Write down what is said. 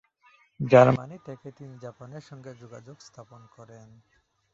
Germany থেকে তিনি জাপানের সঙ্গেও যোগাযোগ স্থাপন করেন।